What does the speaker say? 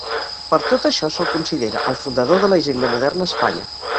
Per tot això se'l considera el fundador de la hisenda moderna a Espanya.